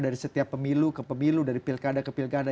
dari setiap pemilu ke pemilu dari pilkada ke pilkada